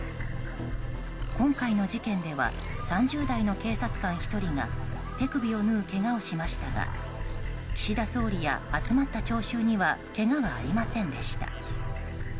今回の事件では３０代の警察官１人が手首を縫う、けがをしましたが岸田総理や集まった聴衆にはけがはありませんでした。